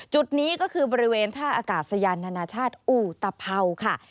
จุดนี้ก็คือบริเวณท่าอากาศยานนานาชาติอุตภาวค่ะ